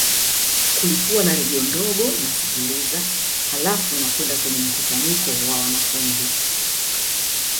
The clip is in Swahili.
Kulikuwa na redio ndogo nasikiliza halafu nakwenda kwenye mkusanyiko wa wanafunzi